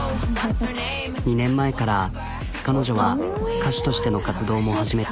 ２年前から彼女は歌手としての活動も始めた。